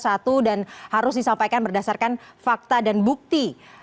satu dan harus disampaikan berdasarkan fakta dan bukti